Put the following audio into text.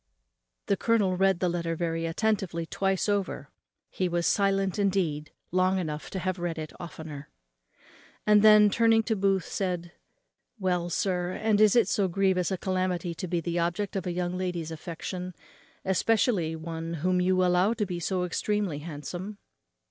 The colonel read the letter very attentively twice over (he was silent indeed long enough to have read it oftener); and then, turning to Booth, said, "Well, sir, and is it so grievous a calamity to be the object of a young lady's affection; especially of one whom you allow to be so extremely handsome?"